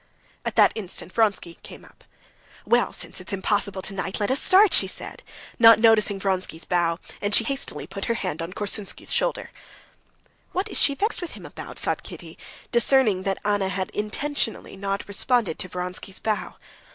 At that instant Vronsky came up. "Well, since it's impossible tonight, let us start," she said, not noticing Vronsky's bow, and she hastily put her hand on Korsunsky's shoulder. "What is she vexed with him about?" thought Kitty, discerning that Anna had intentionally not responded to Vronsky's bow.